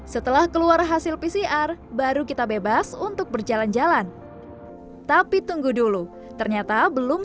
setelah keluar hasil pcr baru kita bebas untuk berjalan jalan tapi tunggu dulu ternyata belum